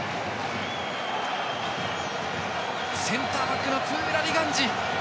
センターバックのプーラリガンジ。